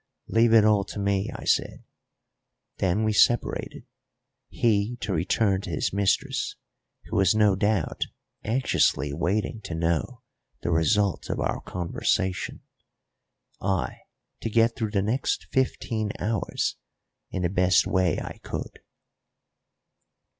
"Leave it all to me," I said; then we separated, he to return to his mistress, who was no doubt anxiously waiting to know the result of our conversation, I to get through the next fifteen hours in the best way I could.